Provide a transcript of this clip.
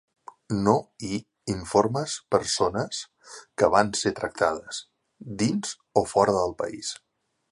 No hi informes persones que van ser tractades, dins o fora del país.